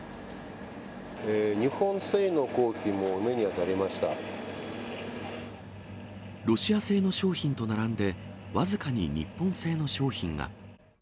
日本製のコーヒーも上にありロシア製の商品と並んで、僅かに日本製の商品が。